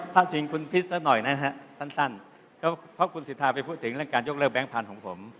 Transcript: ถึงคุณพิษซะหน่อยนะฮะสั้นก็เพราะคุณสิทธาไปพูดถึงเรื่องการยกเลิแบงค์พันธุ์ของผม